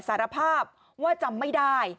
สารภาพว่าจำไม่ได้